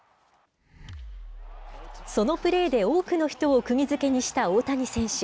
そのプレーで多くの人をくぎづけにした大谷選手。